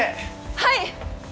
はい！